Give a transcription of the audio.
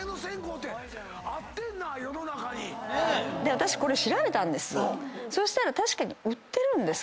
私これ調べたんです。